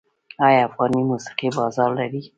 آیا افغاني موسیقي بازار لري؟